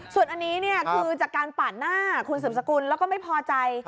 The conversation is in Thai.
ส่วนอันนี้เนี่ยคือจากการปาดหน้าคุณสืบสกุลแล้วก็ไม่พอใจ